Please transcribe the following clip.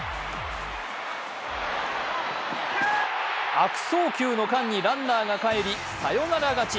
悪送球の間にランナーが帰りサヨナラ勝ち。